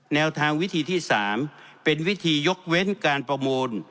แนวทางวิธีที่๓เป็นวิธียกเว้นการประมูล